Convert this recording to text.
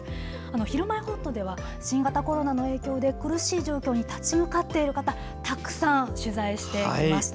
「ひるまえほっと」では新型コロナの影響で苦しい状況に立ち向かっている方たくさん取材してきました。